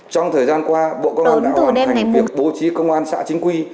trong thời gian qua bộ công an đã hoàn thành việc bố trí công an xã chính quy